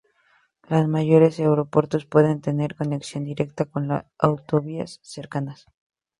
Los mayores aeropuertos pueden tener conexión directa con las autovíaS cercanas.